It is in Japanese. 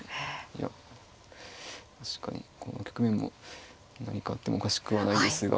いや確かにこの局面も何かあってもおかしくはないですが。